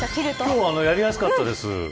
今日はやりやすかったです。